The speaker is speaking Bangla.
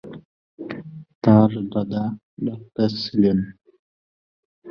তার দাদা ডাক্তার ছিলেন।